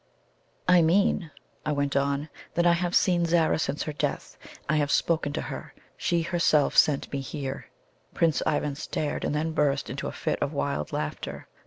"I mean," I went on, "that I have seen Zara since her death; I have spoken to her. She herself sent me here." Prince Ivan stared, and then burst into a fit of wild laughter.